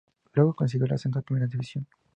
Luego consiguió el ascenso a Primera División.